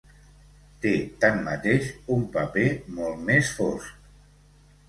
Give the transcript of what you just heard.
Té, tanmateix, un paper molt més fosc.